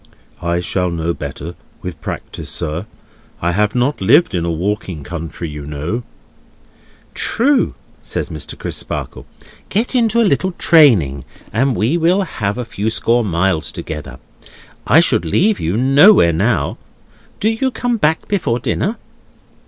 "I shall know better, with practice, sir. I have not lived in a walking country, you know." "True," says Mr. Crisparkle. "Get into a little training, and we will have a few score miles together. I should leave you nowhere now. Do you come back before dinner?"